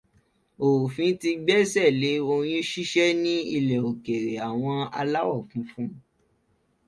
Òfin ti gbésẹ̀ lé oyún ṣíṣẹ́ ní ilè òkèèrè àwọn aláwò funfun.